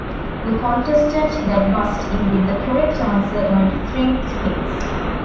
The contestant that buzzed in with the correct answer earned three spins.